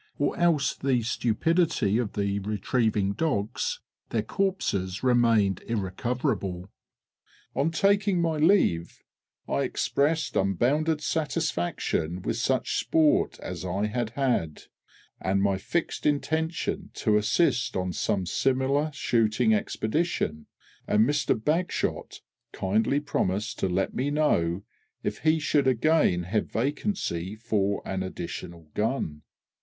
or else the stupidity of the retrieving dogs their corpses remained irrecoverable. On taking my leave, I expressed unbounded satisfaction with such sport as I had had, and my fixed intention to assist on some similar shooting expedition, and Mr BAGSHOT kindly promised to let me know if he should again have vacancy for an additional gun.